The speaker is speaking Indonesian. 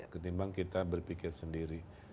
ketimbang kita berpikir sendiri